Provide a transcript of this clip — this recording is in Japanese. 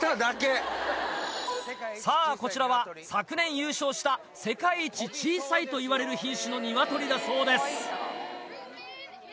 さぁこちらは昨年優勝した世界一小さいといわれる品種のニワトリだそうです。